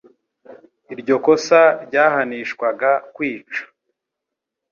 Iryo kosa ryahanishwaga kwicwa.